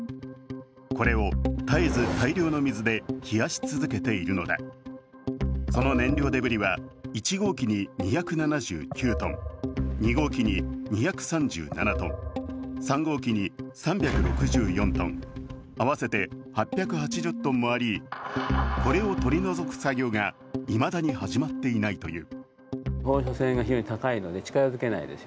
これを絶えず大量の水で冷やし続けているのだその燃料デブリは１号機に２７９ｔ、２号機に２３７ｔ、３号機に３６４ｔ合わせて８８０ｔもあり、これを取り除く作業がいまだに始まっていないという。